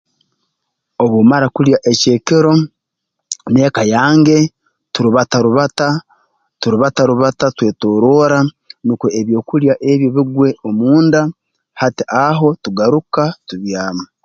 Obu mmara kulya eky'ekiro n'eka yange turubata rubata turubata rubata twetoroora nukwe ebyokulya ebyo bigwe omunda hati aho tugaruka tubyama